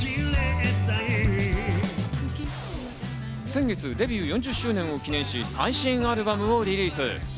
先月デビュー４０周年を記念し、最新アルバムをリリース。